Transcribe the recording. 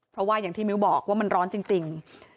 เพราะว่าอย่างที่มิ้วบอกว่ามันร้อนจริง